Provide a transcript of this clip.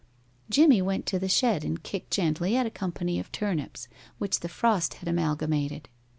Jimmie went to the shed and kicked gently at a company of turnips which the frost had amalgamated.